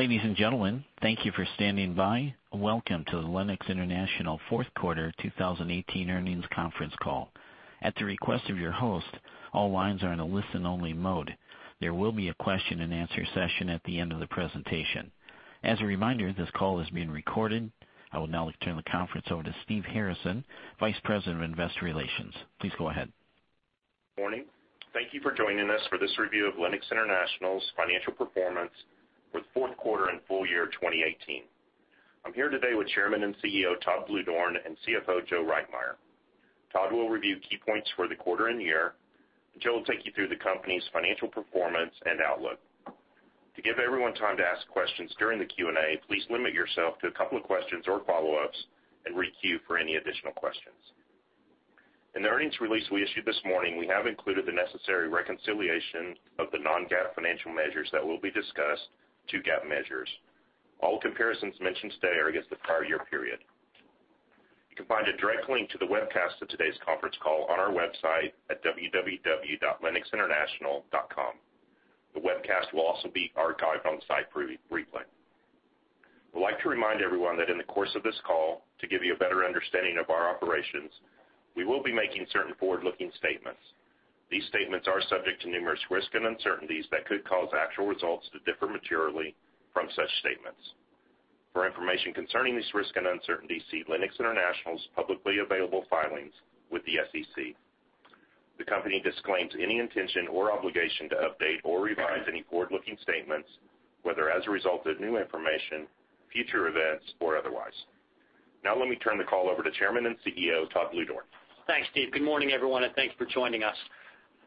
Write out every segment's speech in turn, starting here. Ladies and gentlemen, thank you for standing by. Welcome to the Lennox International fourth quarter 2018 earnings conference call. At the request of your host, all lines are in a listen-only mode. There will be a question and answer session at the end of the presentation. As a reminder, this call is being recorded. I will now turn the conference over to Steve Harrison, Vice President of Investor Relations. Please go ahead. Morning. Thank you for joining us for this review of Lennox International's financial performance for the fourth quarter and full year 2018. I am here today with Chairman and CEO, Todd Bluedorn, and CFO, Joe Reitmeier. Todd will review key points for the quarter and year, Joe will take you through the company's financial performance and outlook. To give everyone time to ask questions during the Q&A, please limit yourself to a couple of questions or follow-ups and re-queue for any additional questions. In the earnings release we issued this morning, we have included the necessary reconciliation of the non-GAAP financial measures that will be discussed to GAAP measures. All comparisons mentioned today are against the prior year period. You can find a direct link to the webcast of today's conference call on our website at www.lennoxinternational.com. The webcast will also be archived on site for replay. I would like to remind everyone that in the course of this call, to give you a better understanding of our operations, we will be making certain forward-looking statements. These statements are subject to numerous risks and uncertainties that could cause actual results to differ materially from such statements. For information concerning these risks and uncertainties, see Lennox International's publicly available filings with the SEC. The company disclaims any intention or obligation to update or revise any forward-looking statements, whether as a result of new information, future events, or otherwise. Now let me turn the call over to Chairman and CEO, Todd Bluedorn. Thanks, Steve. Good morning, everyone, and thanks for joining us.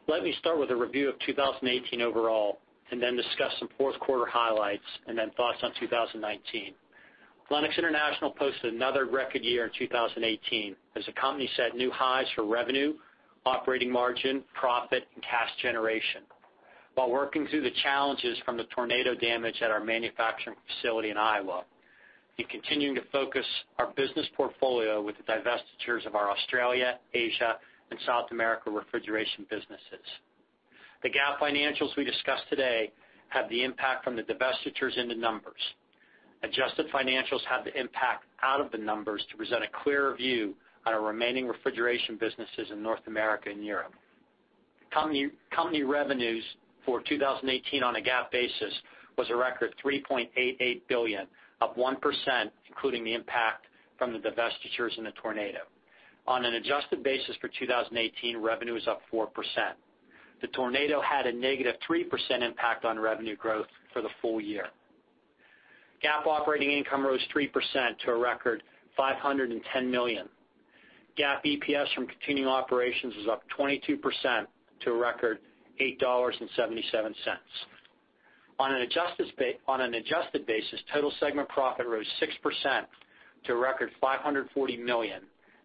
Let me start with a review of 2018 overall and then discuss some fourth quarter highlights and then thoughts on 2019. Lennox International posted another record year in 2018 as the company set new highs for revenue, operating margin, profit and cash generation while working through the challenges from the tornado damage at our manufacturing facility in Iowa and continuing to focus our business portfolio with the divestitures of our Australia, Asia, and South America refrigeration businesses. The GAAP financials we discuss today have the impact from the divestitures in the numbers. Adjusted financials have the impact out of the numbers to present a clearer view on our remaining refrigeration businesses in North America and Europe. Company revenues for 2018 on a GAAP basis was a record $3.88 billion, up 1%, including the impact from the divestitures and the tornado. On an adjusted basis for 2018, revenue was up 4%. The tornado had a negative 3% impact on revenue growth for the full year. GAAP operating income rose 3% to a record $510 million. GAAP EPS from continuing operations was up 22% to a record $8.77. On an adjusted basis, total segment profit rose 6% to a record $540 million,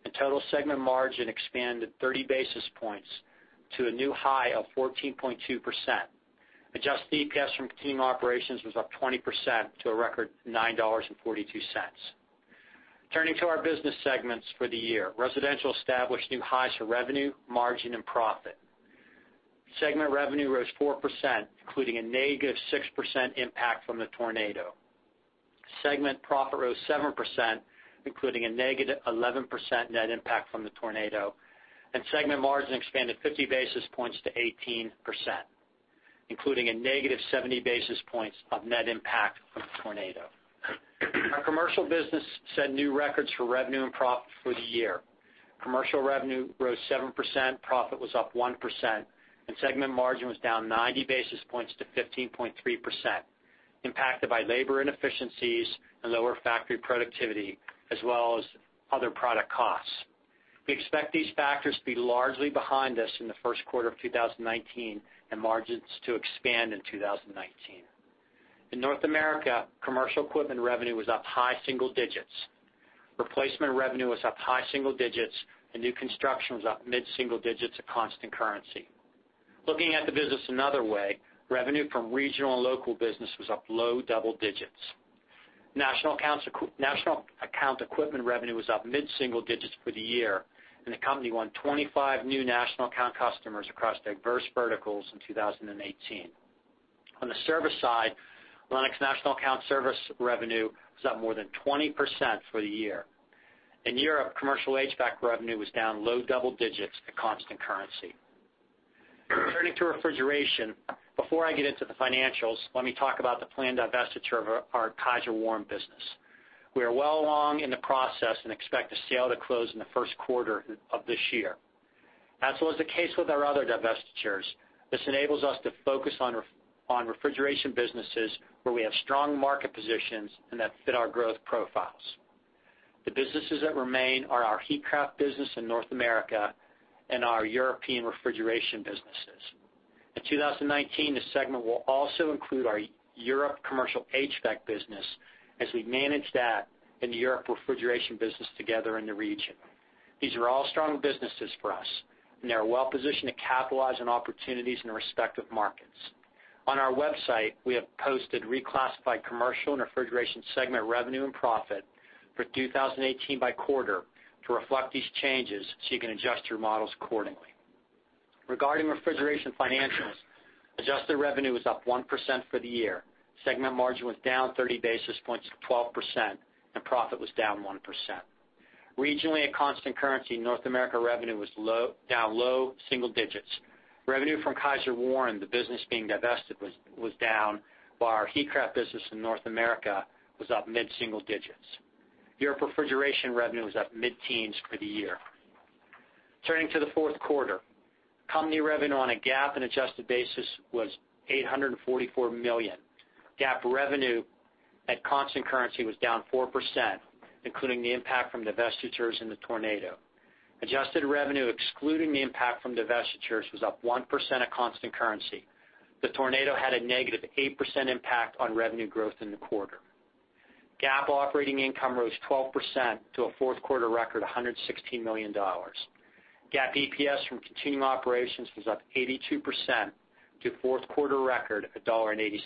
and total segment margin expanded 30 basis points to a new high of 14.2%. Adjusted EPS from continuing operations was up 20% to a record $9.42. Turning to our business segments for the year. Residential established new highs for revenue, margin and profit. Segment revenue rose 4%, including a negative 6% impact from the tornado. Segment profit rose 7%, including a negative 11% net impact from the tornado, and segment margin expanded 50 basis points to 18%, including a negative 70 basis points of net impact from the tornado. Our commercial business set new records for revenue and profit for the year. Commercial revenue rose 7%, profit was up 1%, and segment margin was down 90 basis points to 15.3%, impacted by labor inefficiencies and lower factory productivity as well as other product costs. We expect these factors to be largely behind us in the first quarter of 2019 and margins to expand in 2019. In North America, commercial equipment revenue was up high single digits. Replacement revenue was up high single digits and new construction was up mid-single digits at constant currency. Looking at the business another way, revenue from regional and local business was up low double digits. National account equipment revenue was up mid-single digits for the year, and the company won 25 new national account customers across diverse verticals in 2018. On the service side, Lennox National Account Services revenue was up more than 20% for the year. In Europe, commercial HVAC revenue was down low double digits at constant currency. Turning to refrigeration. Before I get into the financials, let me talk about the planned divestiture of our Kysor Warren business. We are well along in the process and expect the sale to close in the first quarter of this year. As was the case with our other divestitures, this enables us to focus on refrigeration businesses where we have strong market positions and that fit our growth profiles. The businesses that remain are our Heatcraft business in North America and our European refrigeration businesses. In 2019, the segment will also include our Europe commercial HVAC business as we manage that and the Europe refrigeration business together in the region. These are all strong businesses for us, and they are well-positioned to capitalize on opportunities in their respective markets. On our website, we have posted reclassified commercial and refrigeration segment revenue and profit for 2018 by quarter to reflect these changes so you can adjust your models accordingly. Regarding refrigeration financials, adjusted revenue was up 1% for the year. Segment margin was down 30 basis points to 12%, and profit was down 1%. Regionally, at constant currency, North America revenue was down low single digits. Revenue from Kysor Warren, the business being divested, was down, while our Heatcraft business in North America was up mid-single digits. Europe refrigeration revenue was up mid-teens for the year. Turning to the fourth quarter, company revenue on a GAAP and adjusted basis was $844 million. GAAP revenue at constant currency was down 4%, including the impact from divestitures and the tornado. Adjusted revenue, excluding the impact from divestitures, was up 1% at constant currency. The tornado had a negative 8% impact on revenue growth in the quarter. GAAP operating income rose 12% to a fourth quarter record, $116 million. GAAP EPS from continuing operations was up 82% to fourth quarter record, $1.86.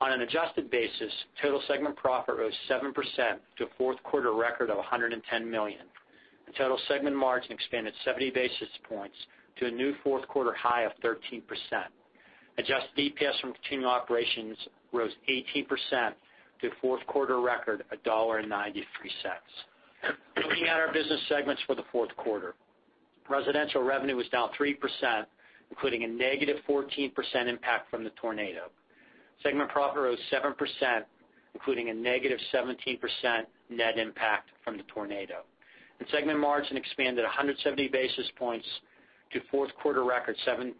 On an adjusted basis, total segment profit rose 7% to a fourth quarter record of $110 million, and total segment margin expanded 70 basis points to a new fourth quarter high of 13%. Adjusted EPS from continuing operations rose 18% to a fourth quarter record, $1.93. Looking at our business segments for the fourth quarter, residential revenue was down 3%, including a negative 14% impact from the tornado. Segment profit rose 7%, including a negative 17% net impact from the tornado, and segment margin expanded 170 basis points to fourth quarter record, 17.7%,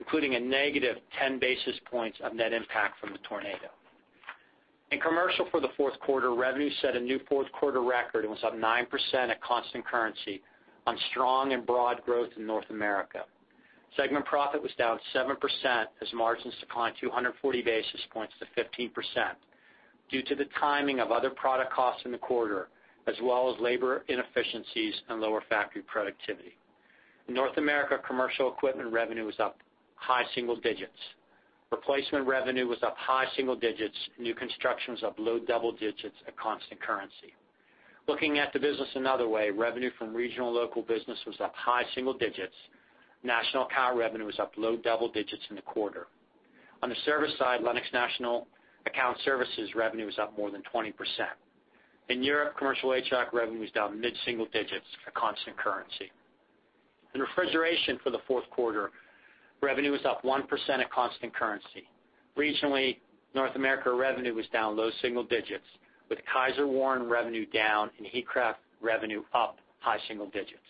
including a negative 10 basis points of net impact from the tornado. In commercial for the fourth quarter, revenue set a new fourth quarter record and was up 9% at constant currency on strong and broad growth in North America. Segment profit was down 7% as margins declined 240 basis points to 15% due to the timing of other product costs in the quarter, as well as labor inefficiencies and lower factory productivity. In North America, commercial equipment revenue was up high single digits. Replacement revenue was up high single digits. New construction was up low double digits at constant currency. Looking at the business another way, revenue from regional and local business was up high single digits. National account revenue was up low double digits in the quarter. On the service side, Lennox National Account Services revenue was up more than 20%. In Europe, commercial HVAC revenue was down mid-single digits at constant currency. In refrigeration for the fourth quarter, revenue was up 1% at constant currency. Regionally, North America revenue was down low single digits, with Kysor Warren revenue down and Heatcraft revenue up high single digits.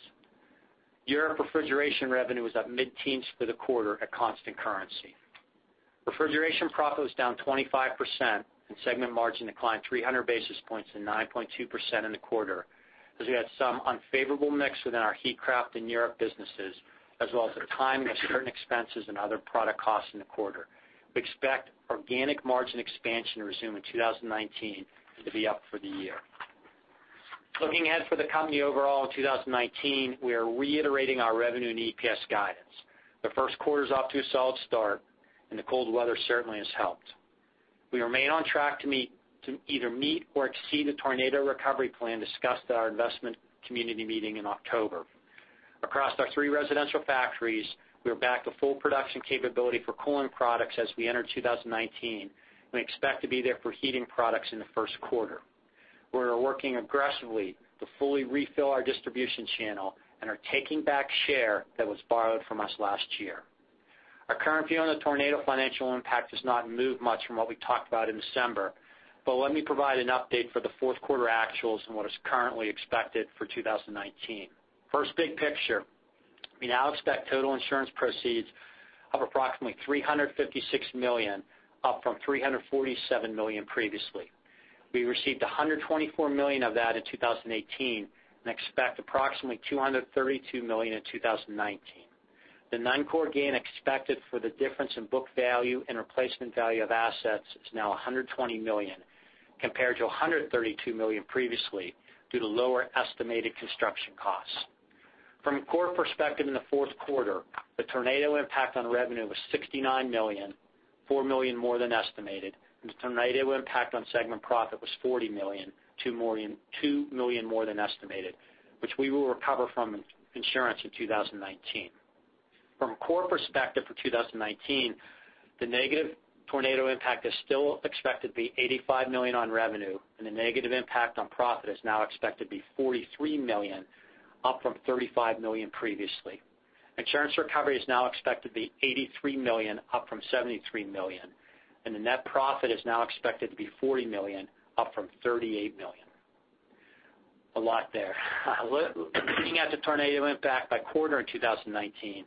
Europe refrigeration revenue was up mid-teens for the quarter at constant currency. Refrigeration profit was down 25%, and segment margin declined 300 basis points to 9.2% in the quarter, as we had some unfavorable mix within our Heatcraft in Europe businesses, as well as the timing of certain expenses and other product costs in the quarter. We expect organic margin expansion to resume in 2019, and to be up for the year. Looking ahead for the company overall in 2019, we are reiterating our revenue and EPS guidance. The first quarter's off to a solid start, and the cold weather certainly has helped. We remain on track to either meet or exceed the tornado recovery plan discussed at our investment community meeting in October. Across our three residential factories, we're back to full production capability for cooling products as we enter 2019, and we expect to be there for heating products in the first quarter. We are working aggressively to fully refill our distribution channel and are taking back share that was borrowed from us last year. Our current view on the tornado financial impact has not moved much from what we talked about in December, but let me provide an update for the fourth quarter actuals and what is currently expected for 2019. First, big picture. We now expect total insurance proceeds of approximately $356 million, up from $347 million previously. We received $124 million of that in 2018, and expect approximately $232 million in 2019. The non-core gain expected for the difference in book value and replacement value of assets is now $120 million, compared to $132 million previously, due to lower estimated construction costs. From a core perspective in the fourth quarter, the tornado impact on revenue was $69 million, $4 million more than estimated, and the tornado impact on segment profit was $40 million, $2 million more than estimated, which we will recover from insurance in 2019. From a core perspective for 2019, the negative tornado impact is still expected to be $85 million on revenue, and the negative impact on profit is now expected to be $43 million, up from $35 million previously. Insurance recovery is now expected to be $83 million, up from $73 million, and the net profit is now expected to be $40 million, up from $38 million. A lot there. Looking at the tornado impact by quarter in 2019,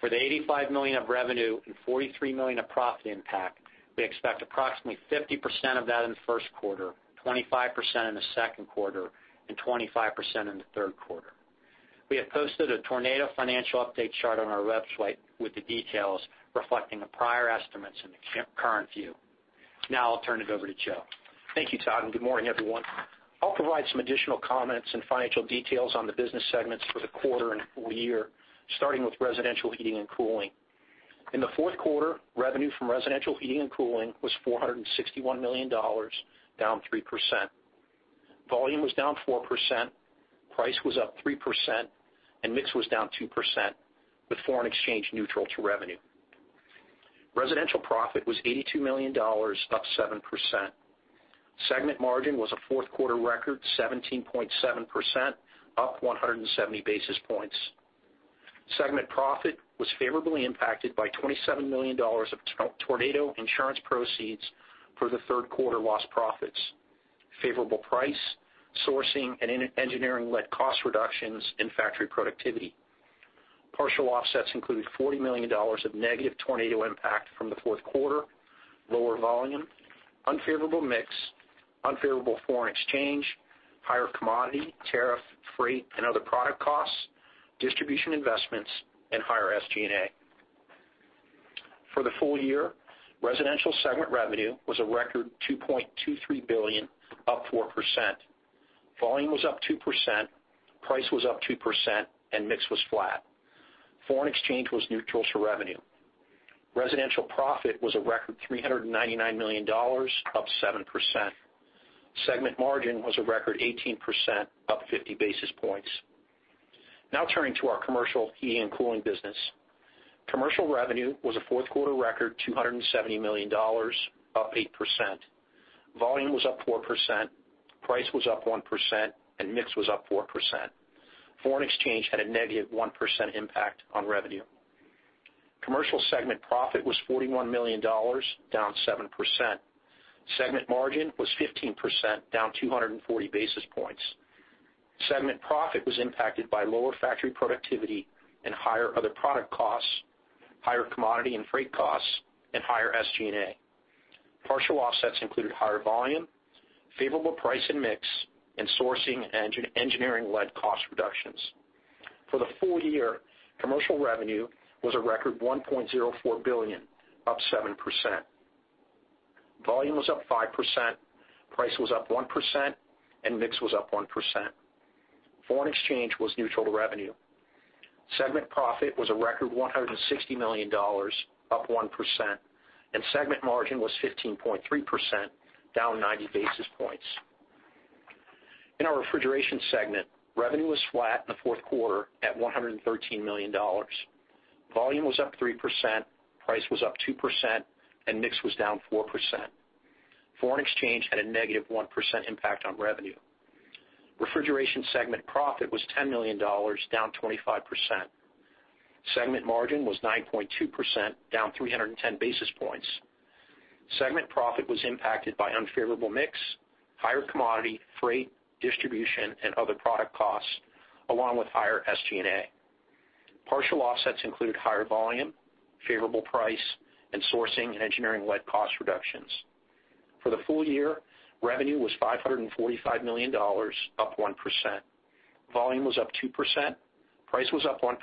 for the $85 million of revenue and $43 million of profit impact, we expect approximately 50% of that in the first quarter, 25% in the second quarter, and 25% in the third quarter. We have posted a tornado financial update chart on our website with the details reflecting the prior estimates and the current view. I'll turn it over to Joe. Thank you, Todd, and good morning, everyone. I'll provide some additional comments and financial details on the business segments for the quarter and full year, starting with residential heating and cooling. In the fourth quarter, revenue from residential heating and cooling was $461 million, down 3%. Volume was down 4%, price was up 3%, and mix was down 2%, with foreign exchange neutral to revenue. Residential profit was $82 million, up 7%. Segment margin was a fourth quarter record 17.7%, up 170 basis points. Segment profit was favorably impacted by $27 million of tornado insurance proceeds for the third quarter loss profits, favorable price, sourcing, and engineering-led cost reductions in factory productivity. Partial offsets include $40 million of negative tornado impact from the fourth quarter, lower volume, unfavorable mix, unfavorable foreign exchange, higher commodity, tariff, freight, and other product costs, distribution investments, and higher SG&A. For the full year, residential segment revenue was a record $2.23 billion, up 4%. Volume was up 2%, price was up 2%, and mix was flat. Foreign exchange was neutral to revenue. Residential profit was a record $399 million, up 7%. Segment margin was a record 18%, up 50 basis points. Turning to our commercial heating and cooling business. Commercial revenue was a fourth quarter record $270 million, up 8%. Volume was up 4%, price was up 1%, and mix was up 4%. Foreign exchange had a negative 1% impact on revenue. Commercial segment profit was $41 million, down 7%. Segment margin was 15%, down 240 basis points. Segment profit was impacted by lower factory productivity and higher other product costs, higher commodity and freight costs, and higher SG&A. Partial offsets included higher volume, favorable price and mix, and sourcing and engineering-led cost reductions. For the full year, commercial revenue was a record $1.04 billion, up 7%. Volume was up 5%, price was up 1%, and mix was up 1%. Foreign exchange was neutral to revenue. Segment profit was a record $160 million, up 1%, and segment margin was 15.3%, down 90 basis points. In our refrigeration segment, revenue was flat in the fourth quarter at $113 million. Volume was up 3%, price was up 2%, and mix was down 4%. Foreign exchange had a negative 1% impact on revenue. Refrigeration segment profit was $10 million, down 25%. Segment margin was 9.2%, down 310 basis points. Segment profit was impacted by unfavorable mix, higher commodity, freight, distribution, and other product costs, along with higher SG&A. Partial offsets include higher volume, favorable price, and sourcing and engineering-led cost reductions. For the full year, revenue was $545 million, up 1%. Volume was up 2%, price was up 1%,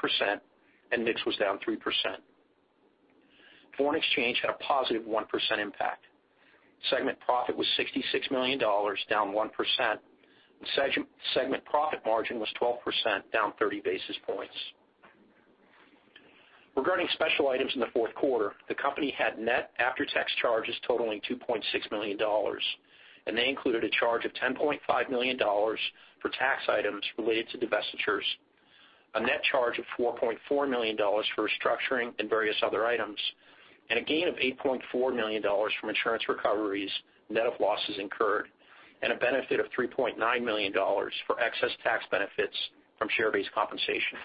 and mix was down 3%. Foreign exchange had a positive 1% impact. Segment profit was $66 million, down 1%, and segment profit margin was 12%, down 30 basis points. Regarding special items in the fourth quarter, the company had net after-tax charges totaling $2.6 million. They included a charge of $10.5 million for tax items related to divestitures, a net charge of $4.4 million for restructuring and various other items, a gain of $8.4 million from insurance recoveries, net of losses incurred, and a benefit of $3.9 million for excess tax benefits from share-based compensation.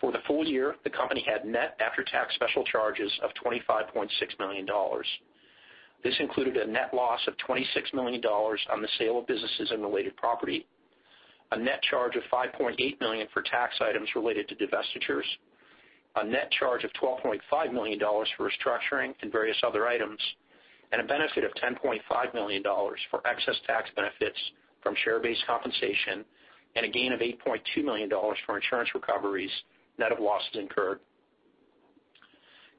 For the full year, the company had net after-tax special charges of $25.6 million. This included a net loss of $26 million on the sale of businesses and related property, a net charge of $5.8 million for tax items related to divestitures, a net charge of $12.5 million for restructuring and various other items, a benefit of $10.5 million for excess tax benefits from share-based compensation, and a gain of $8.2 million from insurance recoveries, net of losses incurred.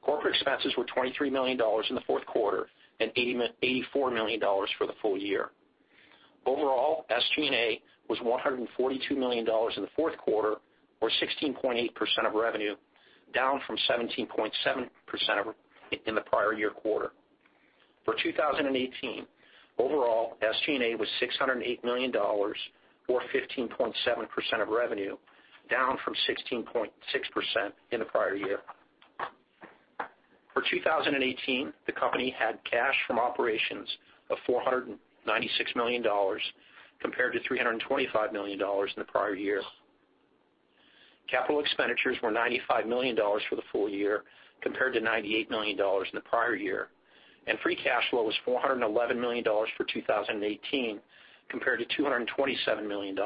Corporate expenses were $23 million in the fourth quarter and $84 million for the full year. Overall, SG&A was $142 million in the fourth quarter or 16.8% of revenue, down from 17.7% in the prior year quarter. For 2018, overall SG&A was $608 million or 15.7% of revenue, down from 16.6% in the prior year. For 2018, the company had cash from operations of $496 million compared to $325 million in the prior year. Capital expenditures were $95 million for the full year compared to $98 million in the prior year. Free cash flow was $411 million for 2018 compared to $227 million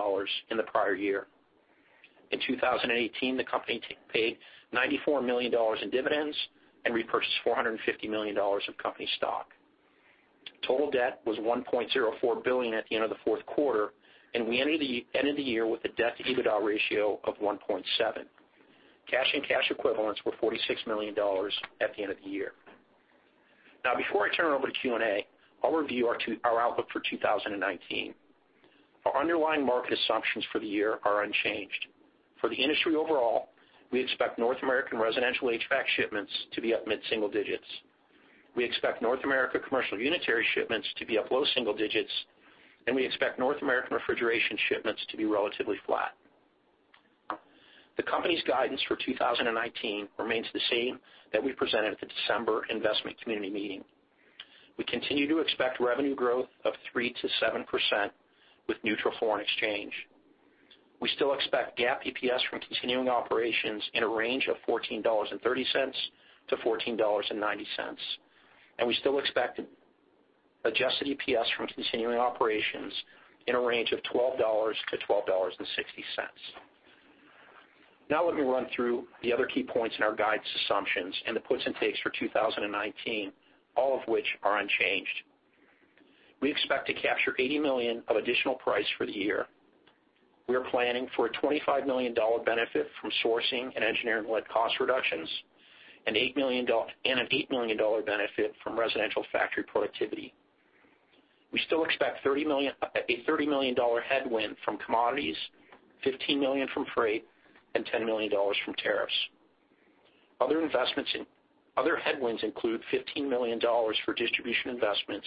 in the prior year. In 2018, the company paid $94 million in dividends and repurchased $450 million of company stock. Total debt was $1.04 billion at the end of the fourth quarter, and we ended the year with a debt-to-EBITDA ratio of 1.7. Cash and cash equivalents were $46 million at the end of the year. Before I turn it over to Q&A, I'll review our outlook for 2019. Our underlying market assumptions for the year are unchanged. For the industry overall, we expect North American residential HVAC shipments to be up mid-single digits. We expect North America commercial unitary shipments to be up low single digits, and we expect North America refrigeration shipments to be relatively flat. The company's guidance for 2019 remains the same that we presented at the December investment community meeting. We continue to expect revenue growth of 3% to 7% with neutral foreign exchange. We still expect GAAP EPS from continuing operations in a range of $14.30-$14.90. We still expect adjusted EPS from continuing operations in a range of $12-$12.60. Let me run through the other key points in our guidance assumptions and the puts and takes for 2019, all of which are unchanged. We expect to capture $80 million of additional price for the year. We are planning for a $25 million benefit from sourcing and engineering-led cost reductions, and an $8 million benefit from residential factory productivity. We still expect a $30 million headwind from commodities, $15 million from freight, and $10 million from tariffs. Other headwinds include $15 million for distribution investments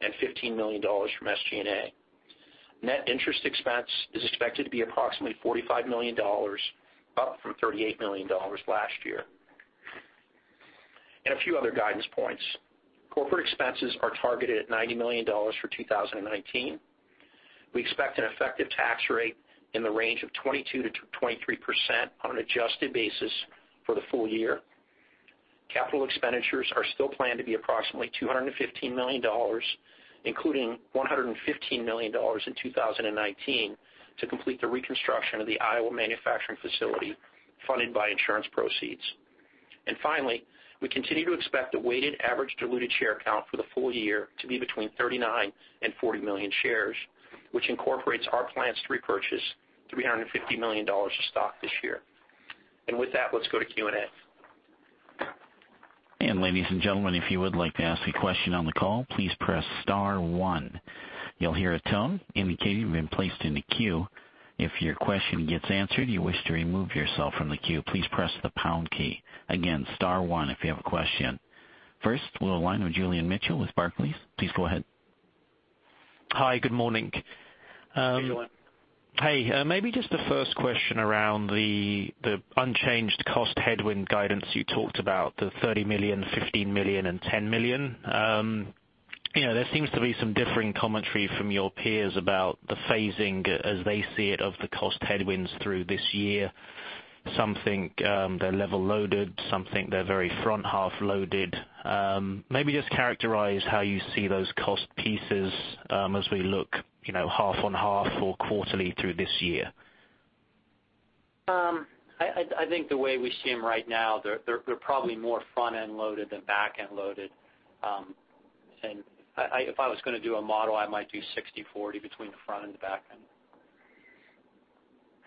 and $15 million from SG&A. Net interest expense is expected to be approximately $45 million, up from $38 million last year. A few other guidance points. Corporate expenses are targeted at $90 million for 2019. We expect an effective tax rate in the range of 22%-23% on an adjusted basis for the full year. Capital expenditures are still planned to be approximately $215 million, including $115 million in 2019 to complete the reconstruction of the Iowa manufacturing facility funded by insurance proceeds. Finally, we continue to expect a weighted average diluted share count for the full year to be between 39 and 40 million shares, which incorporates our plans to repurchase $350 million of stock this year. With that, let's go to Q&A. Ladies and gentlemen, if you would like to ask a question on the call, please press star one. You'll hear a tone indicating you've been placed in the queue. If your question gets answered, you wish to remove yourself from the queue, please press the pound key. Again, star one if you have a question. First, we'll align with Julian Mitchell with Barclays. Please go ahead. Hi. Good morning. Hey, Julian. Hey. Maybe just the first question around the unchanged cost headwind guidance you talked about, the $30 million, $15 million, and $10 million. There seems to be some differing commentary from your peers about the phasing as they see it of the cost headwinds through this year. Some think they're level-loaded, some think they're very front-half loaded. Maybe just characterize how you see those cost pieces as we look half on half or quarterly through this year. I think the way we see them right now, they're probably more front-end loaded than back-end loaded. If I was going to do a model, I might do 60-40 between the front and the back end.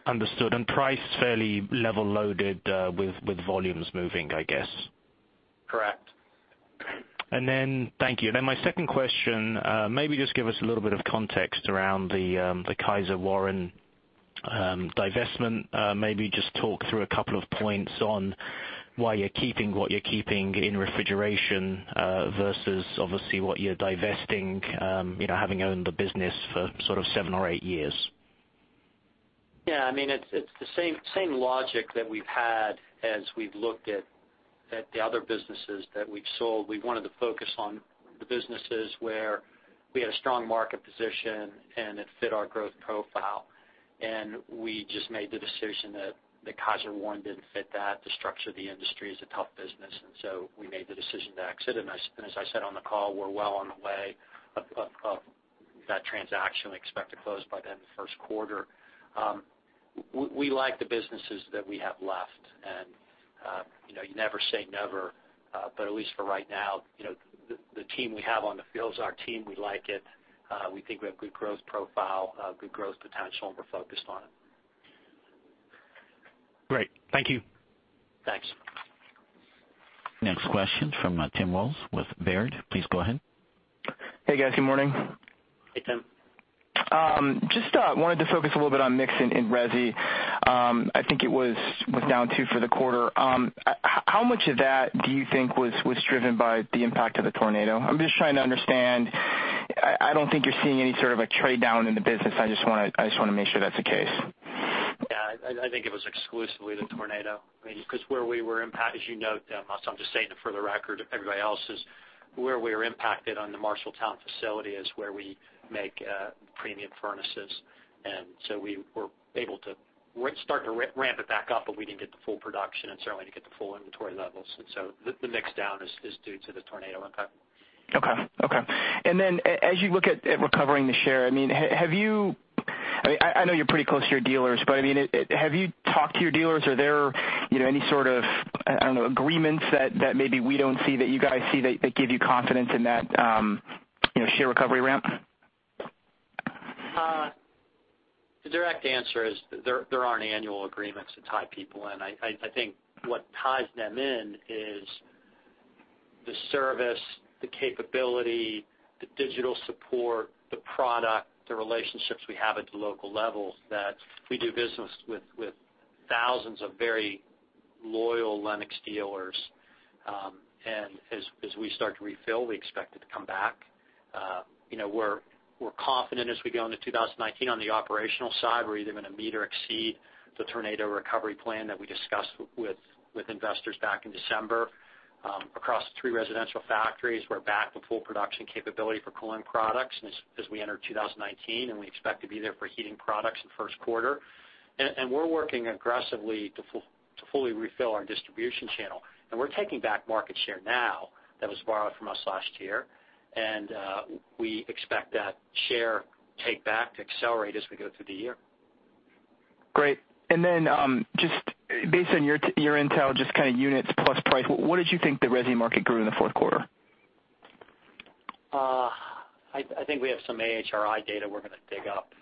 Understood. Price fairly level loaded with volumes moving, I guess. Correct. Thank you. My second question, maybe just give us a little bit of context around the Kysor Warren divestment. Maybe just talk through a couple of points on why you're keeping what you're keeping in refrigeration versus obviously what you're divesting having owned the business for sort of seven or eight years. Yeah. It's the same logic that we've had as we've looked at the other businesses that we've sold. We wanted to focus on the businesses where we had a strong market position and it fit our growth profile. We just made the decision that Kysor Warren didn't fit that. The structure of the industry is a tough business, so we made the decision to exit. As I said on the call, we're well on the way of that transaction. We expect to close by the end of the first quarter. We like the businesses that we have left. You never say never, but at least for right now, the team we have on the field is our team. We like it. We think we have good growth profile, good growth potential, and we're focused on it. Great. Thank you. Thanks. Next question from Tim Wojs with Baird. Please go ahead. Hey, guys. Good morning. Hey, Tim. Just wanted to focus a little bit on mix in resi. I think it was down two for the quarter. How much of that do you think was driven by the impact of the tornado? I'm just trying to understand. I don't think you're seeing any sort of a trade-down in the business. I just want to make sure that's the case. Yeah. I think it was exclusively the tornado. Where we were impacted, as you note, Tim, I'm just saying it for the record, everybody else is, where we were impacted on the Marshalltown facility is where we make premium furnaces. We're able to start to ramp it back up, but we didn't get the full production and certainly didn't get the full inventory levels. The mix down is due to the tornado impact. Okay. Then as you look at recovering the share, I know you're pretty close to your dealers, but have you talked to your dealers? Are there any sort of, I don't know, agreements that maybe we don't see that you guys see that give you confidence in that share recovery ramp? The direct answer is there aren't annual agreements to tie people in. I think what ties them in is the service, the capability, the digital support, the product, the relationships we have at the local level that we do business with Thousands of very loyal Lennox dealers. As we start to refill, we expect it to come back. We're confident as we go into 2019 on the operational side. We're either going to meet or exceed the tornado recovery plan that we discussed with investors back in December. Across the three residential factories, we're back to full production capability for cooling products as we enter 2019, we expect to be there for heating products in the first quarter. We're working aggressively to fully refill our distribution channel, we're taking back market share now that was borrowed from us last year. We expect that share takeback to accelerate as we go through the year. Great. Then just based on your intel, just kind of units plus price, what did you think the resi market grew in the fourth quarter? I think we have some AHRI data we're going to dig up.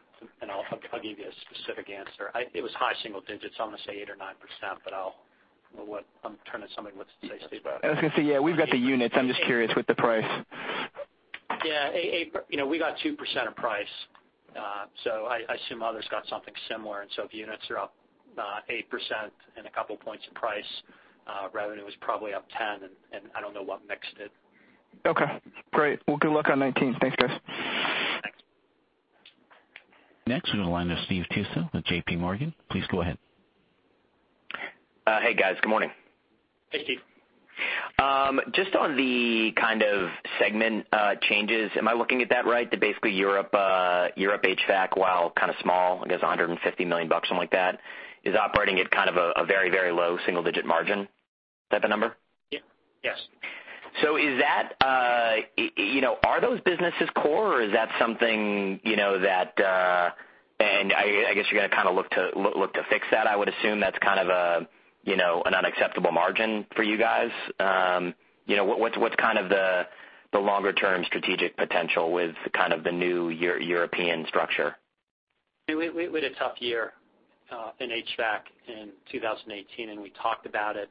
I'll give you a specific answer. It was high single digits. I want to say 8% or 9%. I'm turning to somebody with the exact figures. I was going to say, yeah, we've got the units. I'm just curious with the price. Yeah. We got 2% of price. I assume others got something similar. If units are up 8% and a couple of points of price, revenue was probably up 10%. I don't know what mix it. Okay, great. Well, good luck on 2019. Thanks, guys. Thanks. Next, we go to the line of Steve Tusa with J.P. Morgan. Please go ahead. Hey, guys. Good morning. Hey, Steve. Just on the kind of segment changes, am I looking at that right? That basically Europe HVAC, while kind of small, I guess $150 million, something like that, is operating at kind of a very low single-digit margin type of number? Yes. Are those businesses core, or is that something that I guess you're going to kind of look to fix that, I would assume. That's kind of an unacceptable margin for you guys. What's kind of the longer-term strategic potential with kind of the new European structure? We had a tough year in HVAC in 2018. We talked about it,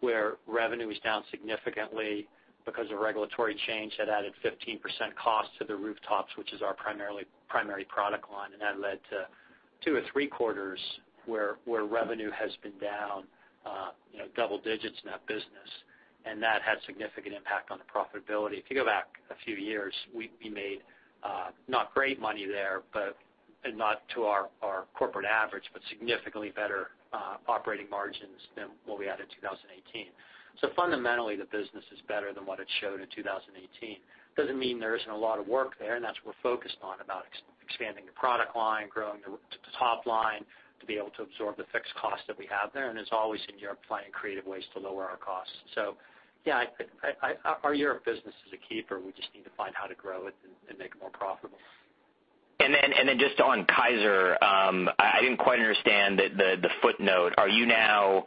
where revenue was down significantly because of regulatory change that added 15% cost to the rooftops, which is our primary product line. That led to two or three quarters where revenue has been down double digits in that business. That had significant impact on the profitability. If you go back a few years, we made not great money there, and not to our corporate average, but significantly better operating margins than what we had in 2018. Fundamentally, the business is better than what it showed in 2018. Doesn't mean there isn't a lot of work there, and that's what we're focused on, about expanding the product line, growing the top line to be able to absorb the fixed cost that we have there. As always in Europe, finding creative ways to lower our costs. Yeah, our Europe business is a keeper. We just need to find how to grow it and make it more profitable. Just on Kysor Warren, I didn't quite understand the footnote. Are you now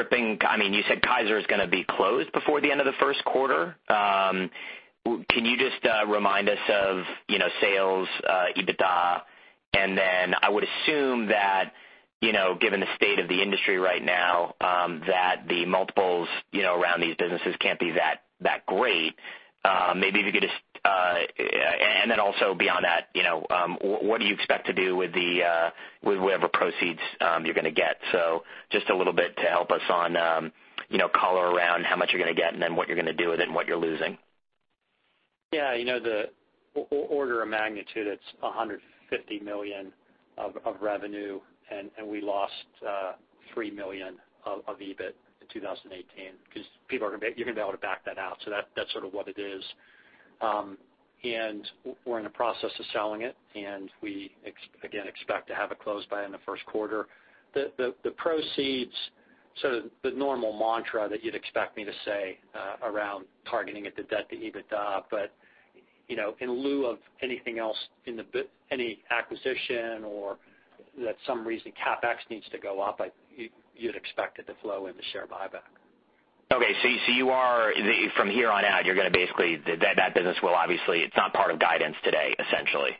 You said Kysor Warren is going to be closed before the end of the first quarter. Can you just remind us of sales EBITDA? I would assume that, given the state of the industry right now, that the multiples around these businesses can't be that great. Beyond that, what do you expect to do with whatever proceeds you're going to get? Just a little bit to help us on, color around how much you're going to get and then what you're going to do with it and what you're losing. The order of magnitude, it's $150 million of revenue, and we lost $3 million of EBIT in 2018, because you're going to be able to back that out. That's sort of what it is. We're in the process of selling it, and we, again, expect to have it closed by in the first quarter. The proceeds, sort of the normal mantra that you'd expect me to say around targeting it to debt to EBITDA. In lieu of anything else, any acquisition or that some reason CapEx needs to go up, you'd expect it to flow into share buyback. Okay. From here on out, you're going to basically, that business will obviously, it's not part of guidance today, essentially.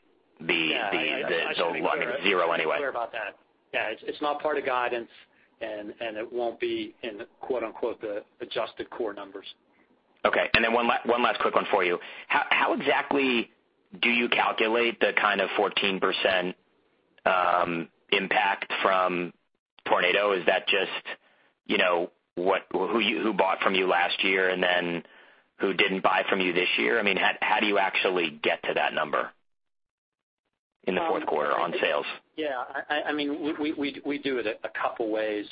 Yeah. The zero anyway. I should be clear about that. Yeah. It's not part of guidance, and it won't be in the quote-unquote, the adjusted core numbers. Okay. One last quick one for you. How exactly do you calculate the kind of 14% impact from tornado? Is that just who bought from you last year and who didn't buy from you this year? How do you actually get to that number in the fourth quarter on sales? Yeah. We do it a couple ways.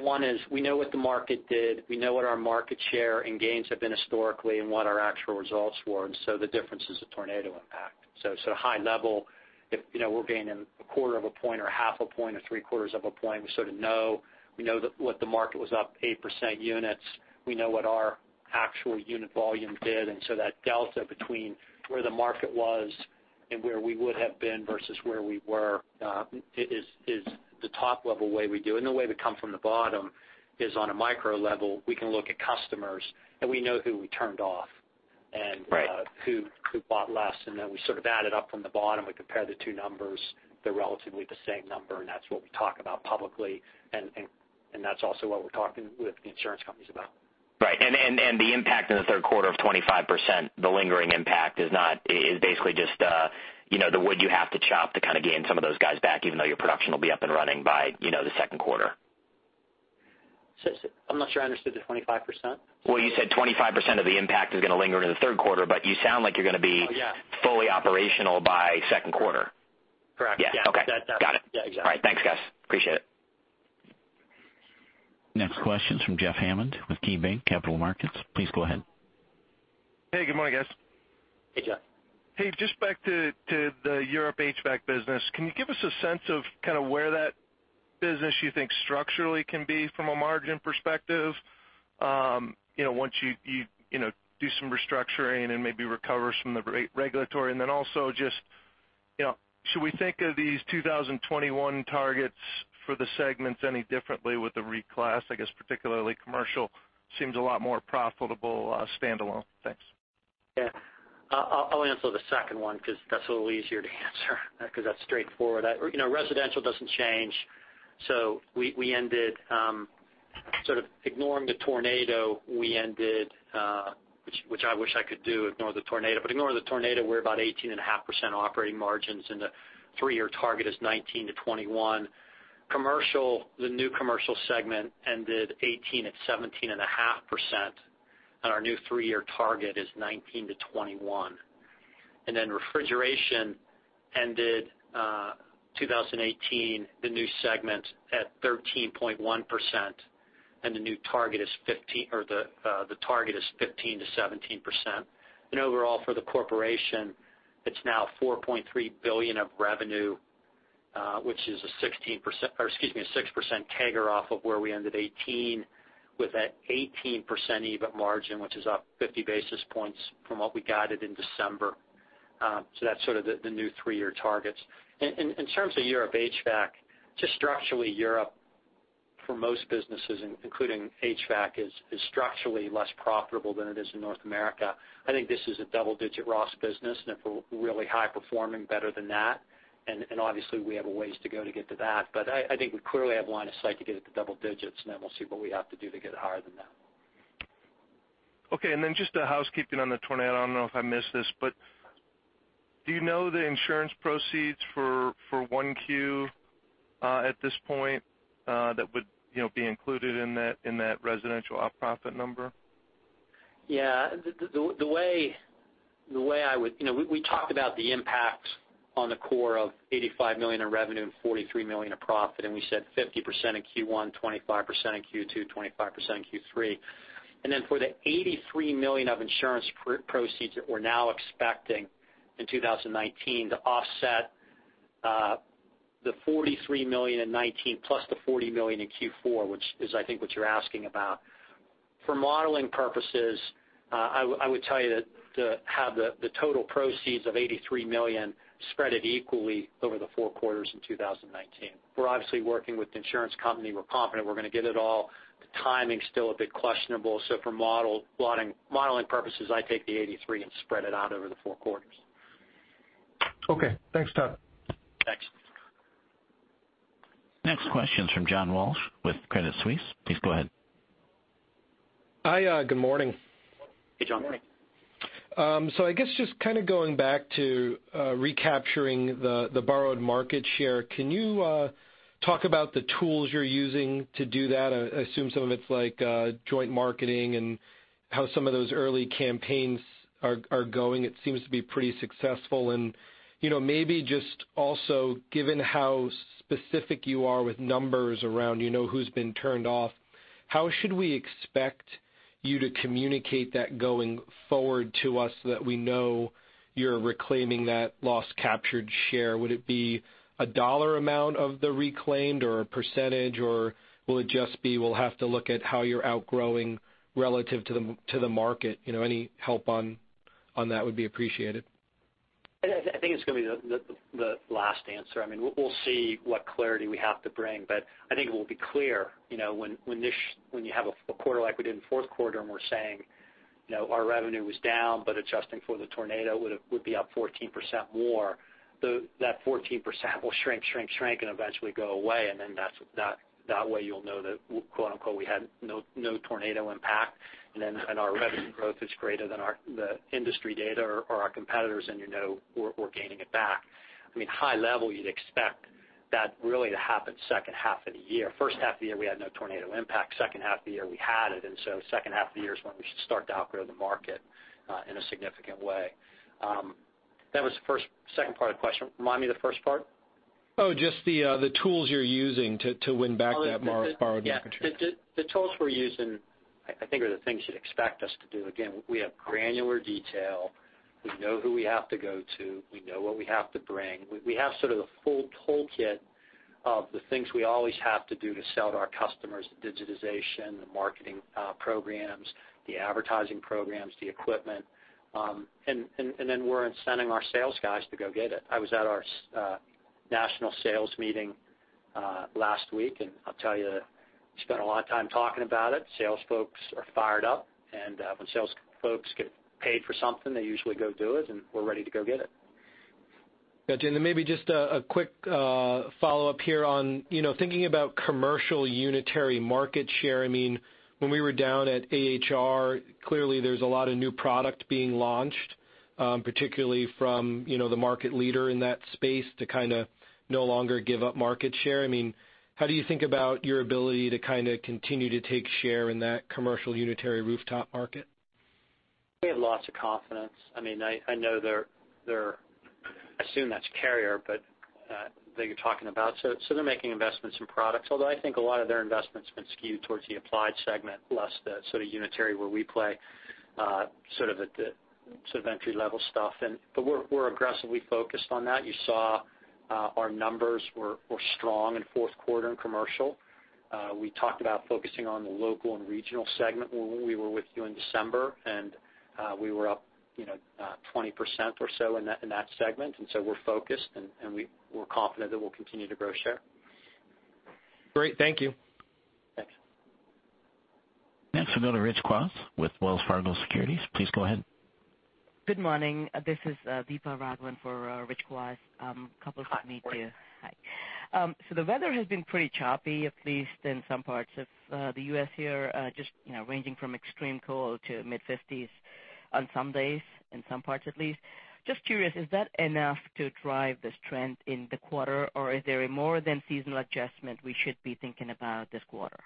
One is we know what the market did. We know what our market share and gains have been historically and what our actual results were, the difference is the tornado impact. High level, if we're gaining a quarter of a point or half a point or three-quarters of a point, we sort of know. We know that what the market was up 8% units. We know what our actual unit volume did, that delta between where the market was and where we would have been versus where we were is the top-level way we do it. The way we come from the bottom is on a micro level. We can look at customers, we know who we turned off. Right who bought less. We sort of add it up from the bottom. We compare the two numbers. They're relatively the same number, that's what we talk about publicly, that's also what we're talking with the insurance companies about. Right. The impact in the third quarter of 25%, the lingering impact is basically just the wood you have to chop to kind of gain some of those guys back, even though your production will be up and running by the second quarter. I'm not sure I understood the 25%. Well, you said 25% of the impact is going to linger into the third quarter, but you sound like you're going to be- Oh, yeah fully operational by second quarter. Correct. Yeah. Okay. Got it. Yeah, exactly. All right. Thanks, guys. Appreciate it. Next question is from Jeff Hammond with KeyBanc Capital Markets. Please go ahead. Hey, good morning, guys. Hey, Jeff. Hey, just back to the Europe HVAC business, can you give us a sense of kind of where that business you think structurally can be from a margin perspective, once you do some restructuring and maybe recovers from the regulatory? Then also just, should we think of these 2021 targets for the segments any differently with the reclass? I guess particularly Commercial seems a lot more profitable standalone. Thanks. Yeah. I'll answer the second one because that's a little easier to answer because that's straightforward. Residential doesn't change. We ended, sort of ignoring the tornado, we ended, which I wish I could do, ignore the tornado. But ignoring the tornado, we're about 18.5% operating margins, and the three-year target is 19%-21%. Commercial, the new Commercial segment ended 2018 at 17.5%, and our new three-year target is 19%-21%. Then Refrigeration ended 2018, the new segment, at 13.1%, and the target is 15%-17%. Overall for the corporation, it's now $4.3 billion of revenue, which is a 6% CAGR off of where we ended 2018, with that 18% EBIT margin, which is up 50 basis points from what we guided in December. That's sort of the new three-year targets. In terms of Europe HVAC, structurally Europe for most businesses, including HVAC, is structurally less profitable than it is in North America. I think this is a double-digit ROS business, and if we're really high performing, better than that. Obviously we have a ways to go to get to that. I think we clearly have line of sight to get it to double digits, and then we'll see what we have to do to get higher than that. Okay, just a housekeeping on the tornado. I don't know if I missed this, but do you know the insurance proceeds for 1Q at this point that would be included in that residential op profit number? Yeah. We talked about the impact on the core of $85 million in revenue and $43 million in profit. We said 50% in Q1, 25% in Q2, 25% in Q3. Then for the $83 million of insurance proceeds that we're now expecting in 2019 to offset the $43 million in 2019 plus the $40 million in Q4, which is I think what you're asking about. For modeling purposes, I would tell you to have the total proceeds of $83 million spreaded equally over the four quarters in 2019. We're obviously working with the insurance company. We're confident we're going to get it all. The timing's still a bit questionable. For modeling purposes, I take the 83 and spread it out over the four quarters. Okay. Thanks, Todd. Thanks. Next question is from John Walsh with Credit Suisse. Please go ahead. Hi. Good morning. Hey, John. I guess just kind of going back to recapturing the borrowed market share, can you talk about the tools you're using to do that? I assume some of it's like joint marketing and how some of those early campaigns are going. It seems to be pretty successful. Maybe just also given how specific you are with numbers around who's been turned off, how should we expect you to communicate that going forward to us so that we know you're reclaiming that lost captured share? Would it be a dollar amount of the reclaimed or a percentage, or will it just be, we'll have to look at how you're outgrowing relative to the market? Any help on that would be appreciated. I think it's going to be the last answer. We'll see what clarity we have to bring, but I think it will be clear, when you have a quarter like we did in fourth quarter and we're saying, our revenue was down, but adjusting for the tornado would be up 14% more. That 14% will shrink, shrink, and eventually go away, and then that way you'll know that, quote-unquote, we had no tornado impact. Our revenue growth is greater than the industry data or our competitors, and you know we're gaining it back. High level, you'd expect that really to happen second half of the year. First half of the year, we had no tornado impact. Second half of the year, we had it. Second half of the year is when we should start to outgrow the market in a significant way. That was the second part of the question. Remind me of the first part? Oh, just the tools you're using to win back that borrowed market share. Yeah. The tools we're using, I think, are the things you'd expect us to do. Again, we have granular detail. We know who we have to go to. We know what we have to bring. We have sort of the full toolkit of the things we always have to do to sell to our customers: digitization, the marketing programs, the advertising programs, the equipment. We're incenting our sales guys to go get it. I was at our national sales meeting last week, and I'll tell you, we spent a lot of time talking about it. Sales folks are fired up, and when sales folks get paid for something, they usually go do it, and we're ready to go get it. Gotcha. Maybe just a quick follow-up here on thinking about commercial unitary market share. When we were down at AHR, clearly there's a lot of new product being launched, particularly from the market leader in that space to kind of no longer give up market share. How do you think about your ability to kind of continue to take share in that commercial unitary rooftop market? We have lots of confidence. I assume that's Carrier that you're talking about. They're making investments in products, although I think a lot of their investment's been skewed towards the applied segment, less the sort of unitary where we play sort of entry-level stuff. We're aggressively focused on that. You saw our numbers were strong in fourth quarter in commercial. We talked about focusing on the local and regional segment when we were with you in December, and we were up 20% or so in that segment. We're focused, and we're confident that we'll continue to grow share. Great. Thank you. Thanks. Next we go to Rich Kwas with Wells Fargo Securities. Please go ahead. Good morning. This is Deepa Raghavan for Rich Kwas. Couple of things to. Hi. Good morning. Hi. The weather has been pretty choppy, at least in some parts of the U.S. here, just ranging from extreme cold to mid-50s on some days, in some parts at least. Just curious, is that enough to drive this trend in the quarter, or is there a more than seasonal adjustment we should be thinking about this quarter?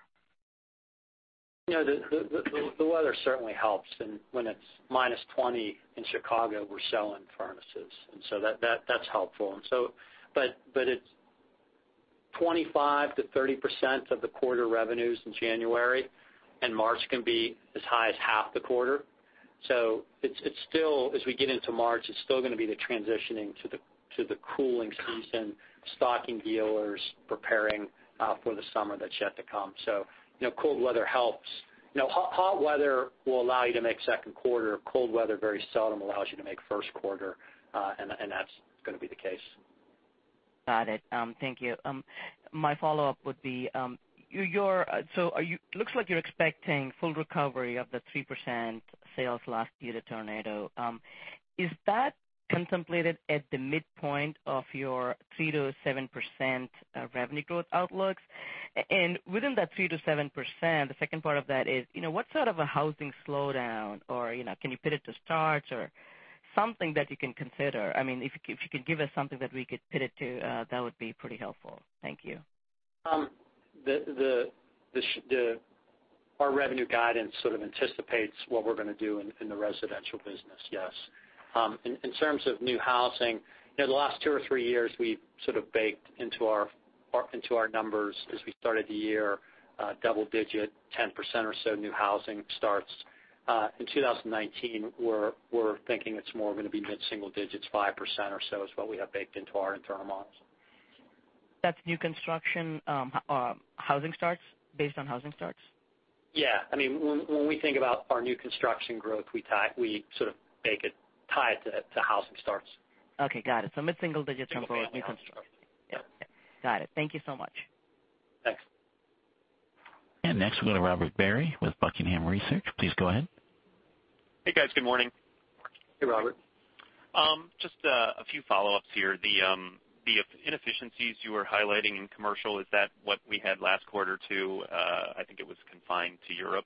The weather certainly helps, and when it's -20 in Chicago, we're selling furnaces. That's helpful. It's 25%-30% of the quarter revenues in January, and March can be as high as half the quarter. As we get into March, it's still going to be the transitioning to the cooling season, stocking dealers, preparing for the summer that's yet to come. Cold weather helps. Hot weather will allow you to make second quarter. Cold weather very seldom allows you to make first quarter, and that's going to be the case. Got it. Thank you. My follow-up would be, it looks like you're expecting full recovery of the 3% sales last year, the tornado. Is that contemplated at the midpoint of your 3%-7% revenue growth outlooks? Within that 3%-7%, the second part of that is, what sort of a housing slowdown, or can you put it to starts or something that you can consider? If you could give us something that we could pin it to, that would be pretty helpful. Thank you. Our revenue guidance sort of anticipates what we're going to do in the residential business, yes. In terms of new housing, the last two or three years, we've sort of baked into our numbers as we started the year, double digit, 10% or so new housing starts. In 2019, we're thinking it's more going to be mid-single digits, 5% or so is what we have baked into our internal models. That's new construction based on housing starts? Yeah. When we think about our new construction growth, we sort of bake it, tie it to housing starts. Okay. Got it. Mid-single digits in new construction. Yes. Got it. Thank you so much. Thanks. Next we go to Robert Barry with Buckingham Research. Please go ahead. Hey, guys. Good morning. Hey, Robert. Just a few follow-ups here. The inefficiencies you were highlighting in commercial, is that what we had last quarter, too? I think it was confined to Europe.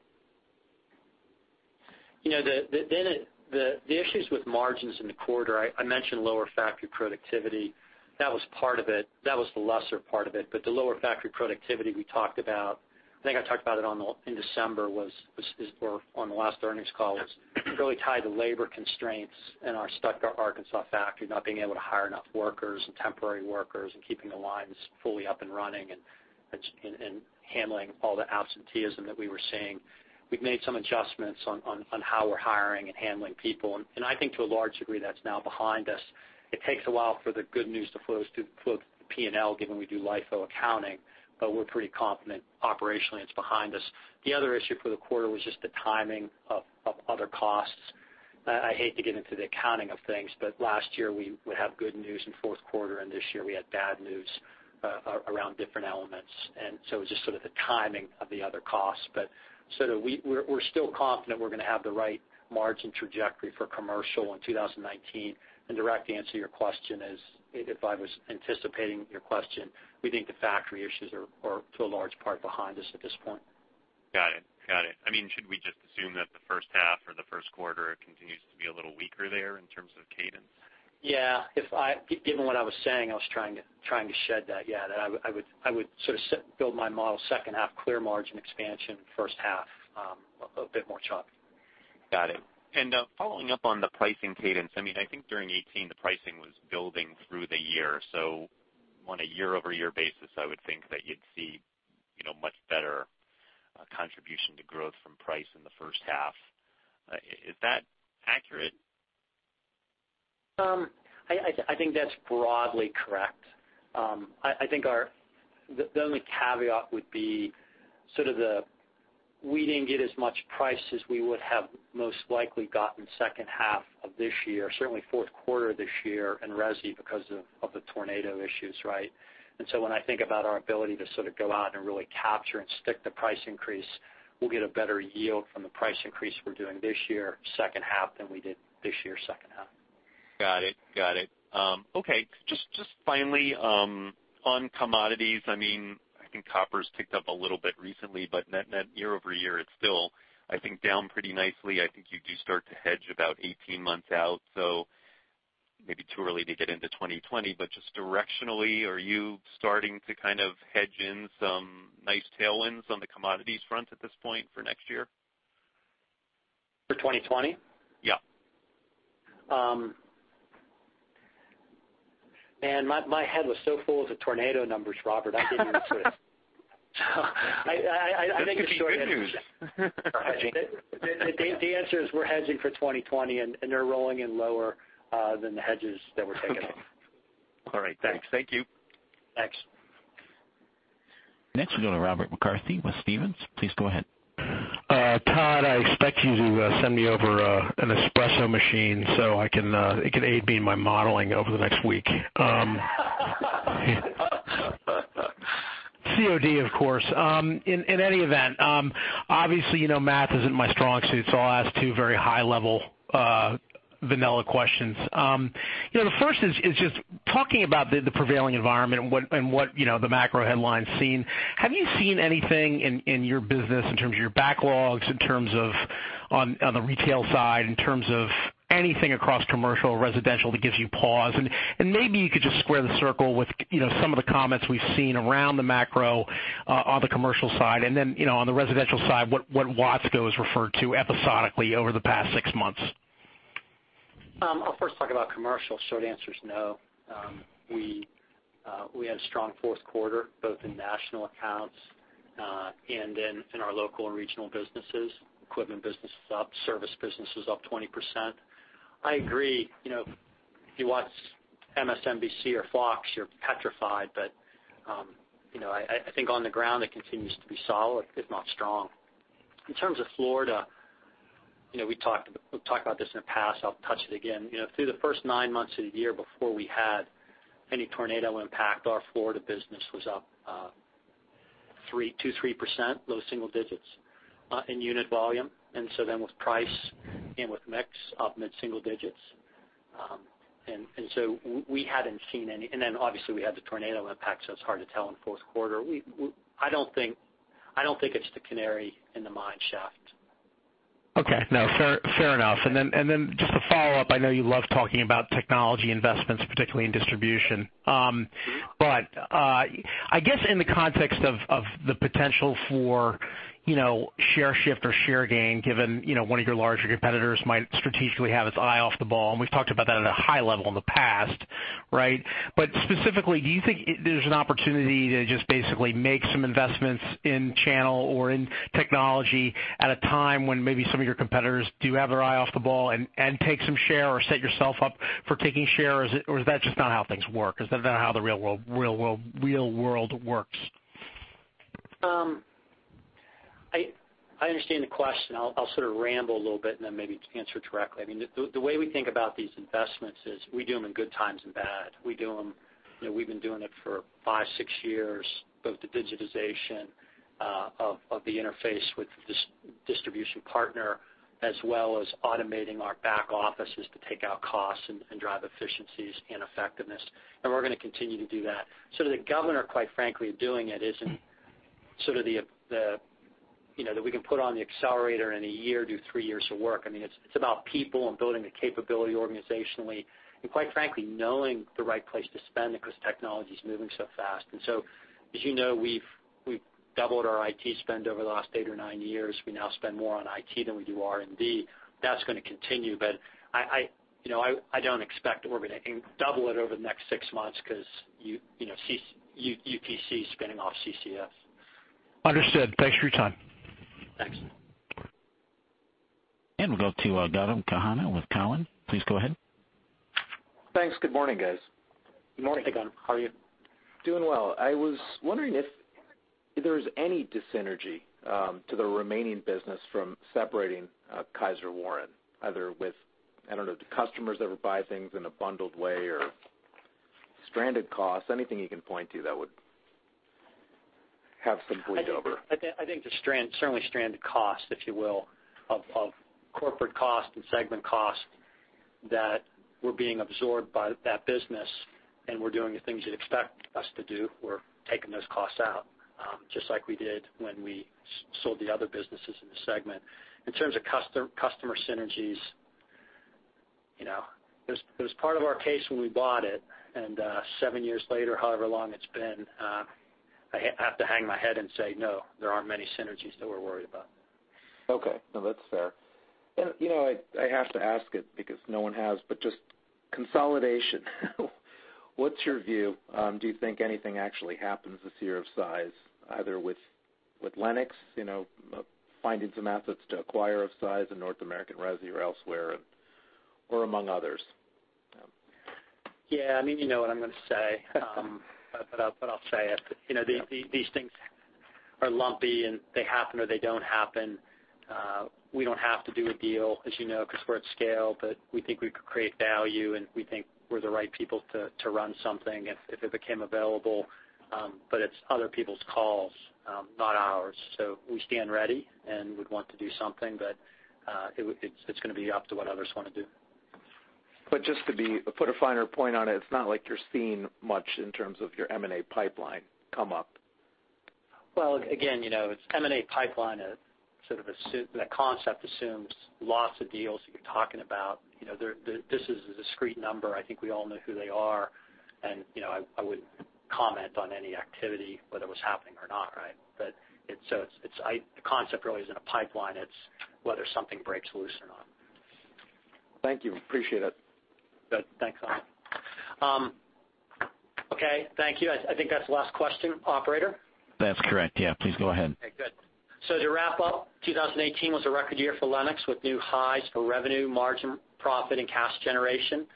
The issues with margins in the quarter, I mentioned lower factory productivity. That was part of it. That was the lesser part of it. The lower factory productivity we talked about, I think I talked about it in December or on the last earnings call, was really tied to labor constraints in our Stuttgart, Arkansas factory, not being able to hire enough workers and temporary workers and keeping the lines fully up and running and handling all the absenteeism that we were seeing. We've made some adjustments on how we're hiring and handling people, and I think to a large degree, that's now behind us. It takes a while for the good news to flow through the P&L given we do LIFO accounting, but we're pretty confident operationally it's behind us. The other issue for the quarter was just the timing of other costs. I hate to get into the accounting of things, last year we had good news in fourth quarter, and this year we had bad news around different elements. It was just sort of the timing of the other costs. We're still confident we're going to have the right margin trajectory for commercial in 2019. Direct answer to your question is, if I was anticipating your question, we think the factory issues are for a large part behind us at this point. Got it. Should we just assume that the first half or the first quarter continues to be a little weaker there in terms of cadence? Yeah. Given what I was saying, I was trying to shed that. Yeah, I would sort of build my model second half clear margin expansion, first half a bit more choppy. Got it. Following up on the pricing cadence, I think during 2018 the pricing was building through the year. On a year-over-year basis, I would think that you'd see much better contribution to growth from price in the first half. Is that accurate? I think that's broadly correct. I think the only caveat would be we didn't get as much price as we would have most likely gotten second half of this year, certainly fourth quarter this year in resi because of the tornado issues, right? When I think about our ability to sort of go out and really capture and stick the price increase, we'll get a better yield from the price increase we're doing this year second half than we did this year second half. Got it. Okay. Just finally, on commodities, I think copper's ticked up a little bit recently, net year-over-year, it's still, I think, down pretty nicely. I think you do start to hedge about 18 months out, maybe too early to get into 2020, but just directionally, are you starting to hedge in some nice tailwinds on the commodities front at this point for next year? For 2020? Yeah. Man, my head was so full of the tornado numbers, Robert, I didn't even see it. That could be good news. The answer is we're hedging for 2020, and they're rolling in lower than the hedges that we're taking. Okay. All right. Thanks. Thank you. Thanks. Next, we go to Robert McCarthy with Stephens. Please go ahead. Todd, I expect you to send me over an espresso machine, so it can aid me in my modeling over the next week. COD, of course. In any event, obviously, math isn't my strong suit, so I'll ask two very high-level vanilla questions. The first is just talking about the prevailing environment and what the macro headlines seen. Have you seen anything in your business in terms of your backlogs, in terms of on the retail side, in terms of anything across commercial, residential that gives you pause? Maybe you could just square the circle with some of the comments we've seen around the macro on the commercial side, and then, on the residential side, what Watsco has referred to episodically over the past six months. I'll first talk about commercial. Short answer is no. We had a strong fourth quarter, both in national accounts and in our local and regional businesses. Equipment business is up, service business is up 20%. I agree, if you watch MSNBC or Fox, you're petrified, but I think on the ground, it continues to be solid, if not strong. In terms of Florida, we've talked about this in the past, I'll touch it again. Through the first nine months of the year before we had any tornado impact, our Florida business was up 2%, 3%, low single digits in unit volume. With price and with mix up mid-single digits. Obviously, we had the tornado impact, so it's hard to tell in the fourth quarter. I don't think it's the canary in the mine shaft. Okay. No, fair enough. Just a follow-up, I know you love talking about technology investments, particularly in distribution. I guess in the context of the potential for share shift or share gain, given one of your larger competitors might strategically have its eye off the ball, and we've talked about that at a high level in the past, right? Specifically, do you think there's an opportunity to just basically make some investments in channel or in technology at a time when maybe some of your competitors do have their eye off the ball and take some share or set yourself up for taking share? Is that just not how things work? Is that not how the real world works? I understand the question. I'll sort of ramble a little bit and then maybe answer it directly. The way we think about these investments is we do them in good times and bad. We've been doing it for five, six years, both the digitization of the interface with the distribution partner, as well as automating our back offices to take out costs and drive efficiencies and effectiveness. We're going to continue to do that. The governor, quite frankly, of doing it isn't that we can put on the accelerator in a year, do three years of work. It's about people and building the capability organizationally, and quite frankly, knowing the right place to spend it because technology's moving so fast. As you know, we've doubled our IT spend over the last eight or nine years. We now spend more on IT than we do R&D. That's going to continue, but I don't expect we're going to double it over the next six months because UTC is spinning off CCS. Understood. Thanks for your time. Thanks. We'll go to Gautam Khanna with Cowen. Please go ahead. Thanks. Good morning, guys. Good morning, Gautam. How are you? Doing well. I was wondering if there's any dis-synergy to the remaining business from separating Kysor Warren, either with, I don't know, the customers that would buy things in a bundled way or stranded costs, anything you can point to that would have some bleed over. I think certainly stranded costs, if you will, of corporate cost and segment cost that were being absorbed by that business. We're doing the things you'd expect us to do. We're taking those costs out, just like we did when we sold the other businesses in the segment. In terms of customer synergies, it was part of our case when we bought it, seven years later, however long it's been, I have to hang my head and say, no, there aren't many synergies that we're worried about. Okay. No, that's fair. I have to ask it because no one has, just consolidation. What's your view? Do you think anything actually happens this year of size, either with Lennox, finding some assets to acquire of size in North American resi or elsewhere, or among others? Yeah, you know what I'm going to say. I'll say it. These things are lumpy, and they happen or they don't happen. We don't have to do a deal, as you know, because we're at scale, we think we could create value, we think we're the right people to run something if it became available, it's other people's calls, not ours. We stand ready would want to do something, it's going to be up to what others want to do. Just to put a finer point on it's not like you're seeing much in terms of your M&A pipeline come up. Again, M&A pipeline, that concept assumes lots of deals that you're talking about. This is a discrete number. I think we all know who they are, I wouldn't comment on any activity, whether it was happening or not, right? The concept really isn't a pipeline, it's whether something breaks loose or not. Thank you. Appreciate it. Good. Thanks, Gautam Khanna. Okay, thank you. I think that's the last question, operator? That's correct, yeah. Please go ahead. To wrap up, 2018 was a record year for Lennox, with new highs for revenue, margin, profit, and cash generation.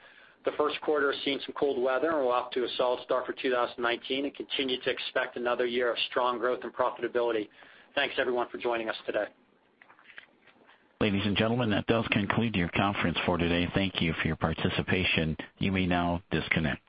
The first quarter has seen some cold weather, we're off to a solid start for 2019 and continue to expect another year of strong growth and profitability. Thanks, everyone, for joining us today. Ladies and gentlemen, that does conclude your conference for today. Thank you for your participation. You may now disconnect.